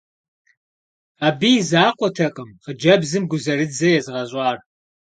Абы и закъуэтэкъым хъыджэбзым гузэрыдзэ езыгъэщӏар.